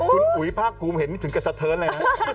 นี่อุ๊ยพ่าครูเห็นนี่ถึงกันสัตว์เทินนะ